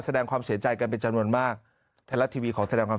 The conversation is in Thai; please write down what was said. แสดงความเสียใจกันเป็นจำนวนมากไทยรัฐทีวีขอแสดงความ